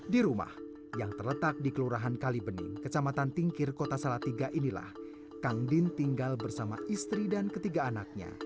di rumah yang terletak di kelurahan kalibening kecamatan tingkir kota salatiga inilah kang din tinggal bersama istri dan ketiga anaknya